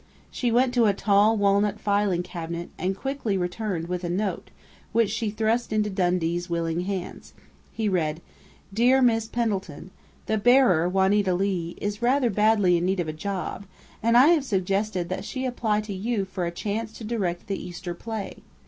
She went to a tall walnut filing cabinet, and quickly returned with a note, which she thrust into Dundee's willing hands. He read: _"Dear Miss Pendleton: The bearer, Juanita Leigh, is rather badly in need of a job, and I have suggested that she apply to you for a chance to direct the Easter play.